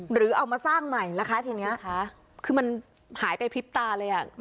หรือเอามาสร้างใหม่ล่ะคะทีนี้คือมันหายไปพริบตาเลยอ่ะ